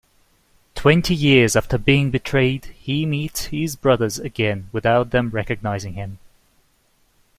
Twenty years after being betrayed, he meets his brothers again without them recognizing him.